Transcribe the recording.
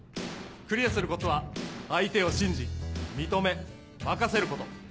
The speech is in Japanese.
クリアするコツは相手を信じ認め任せること。